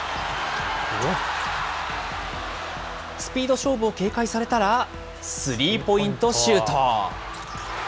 スピード勝負を警戒されたら、スリーポイントシュート。